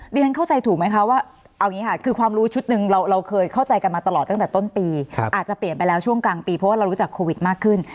เรียนเข้าใจถูกไหมคะว่าเอาอย่างนี้ค่ะคือความรู้ชุดหนึ่งเราเคยเข้าใจกันมาตลอดตั้งแต่ต้นปีอาจจะเปลี่ยนไปแล้วช่วงกลางปีเพราะว่าเรารู้จักโควิดมากขึ้น